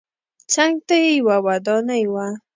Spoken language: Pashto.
څنګ ته یې یوه ودانۍ وه.